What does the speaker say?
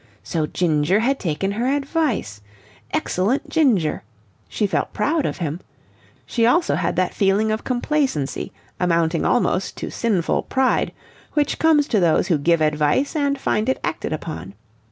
So Ginger had taken her advice! Excellent Ginger! She felt proud of him. She also had that feeling of complacency, amounting almost to sinful pride, which comes to those who give advice and find it acted upon.